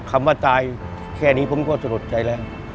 คำว่าตายแค่นี้ผมก็สะลดใจแล้ว